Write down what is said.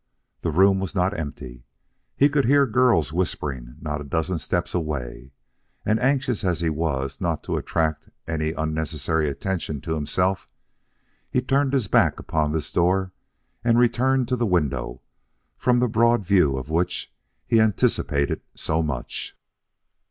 The room was not empty. He could hear girls whispering not a dozen steps away, and anxious as he always was not to attract any unnecessary attention to himself, he turned his back upon this door and returned to the window from the broad view of which he anticipated so much.